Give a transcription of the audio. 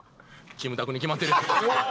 キムタクに決まってるやないか。